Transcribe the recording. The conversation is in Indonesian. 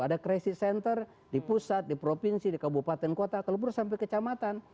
ada crisis center di pusat di provinsi di kabupaten kota kelebur sampai kecamatan